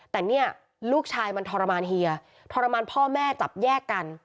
แต่เนี่ยลูกชายมันทรมานเฮียทรมานพ่อแม่จับแยกกัน